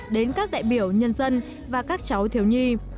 đến các đại biểu nhân dân và các cháu thiếu nhi